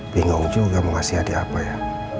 bingung juga mau ngasih hadiah apa ya